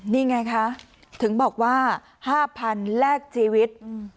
นี่ไงคะถึงบอกว่า๕๐๐๐แลกชีวิต